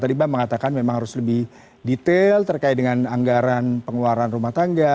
tadi bang mengatakan memang harus lebih detail terkait dengan anggaran pengeluaran rumah tangga